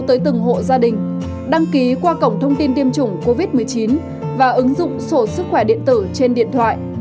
tới từng hộ gia đình đăng ký qua cổng thông tin tiêm chủng covid một mươi chín và ứng dụng sổ sức khỏe điện tử trên điện thoại